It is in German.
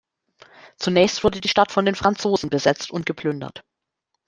Zunächst wurde die Stadt von den Franzosen besetzt und geplündert.